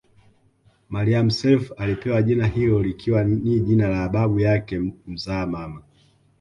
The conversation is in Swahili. Maalim Self alipewa jina hilo likiwa ni jina la babu yake mzaa mama